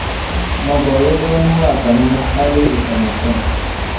Mogoo yodooni waabana ma hali ifama tom.